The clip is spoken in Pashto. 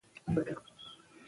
پکتيا ولايت مرکز ګردېز ده